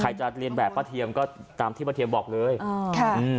ใครจะเรียนแบบป้าเทียมก็ตามที่ป้าเทียมบอกเลยอ๋อค่ะอืม